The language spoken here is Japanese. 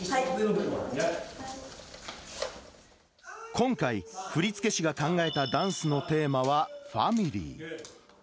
今回、振付師が考えたダンスのテーマはファミリー。